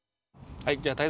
はい！